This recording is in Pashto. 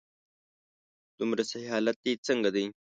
د مور صحي حالت دي څنګه دی؟